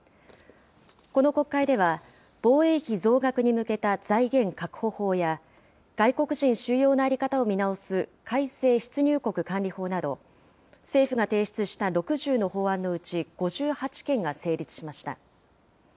この国会では、防衛費増額に向けた財源確保法や、外国人収容の在り方を見直す改正出入国管理法など、政府が提出した６０の法案のうち５８件が成立しました。